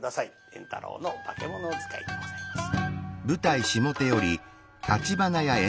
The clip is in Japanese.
圓太郎の「化物使い」でございます。